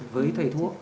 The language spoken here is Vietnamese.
với thầy thuốc